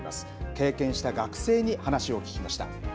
経験した学生に話を聞きました。